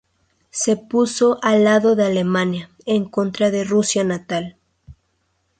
Se puso al lado de Alemania en contra de su Rusia natal.